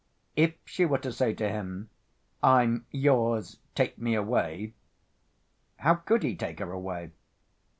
If she were to say to him: "I'm yours; take me away," how could he take her away?